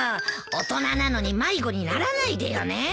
大人なのに迷子にならないでよね。